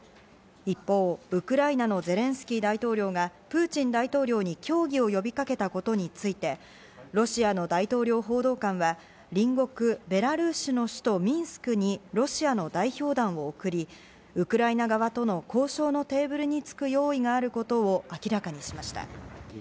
一方、ウクライナのゼレンスキー大統領がプーチン大統領に協議を呼びかけたことについて、ロシアの大統領報道官は隣国ベラルーシの首都ミンスクにロシアの代表団を送り、ウクライナ側との交渉のテーブルにつく用意があることを明らかにしました。